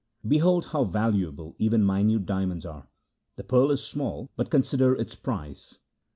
Behold how valuable even minute diamonds are. The pearl is small, but consider its price.